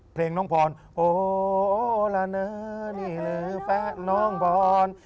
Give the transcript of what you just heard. เพลงน้องพรโอละเนอนี่เลยแฟนน้องพร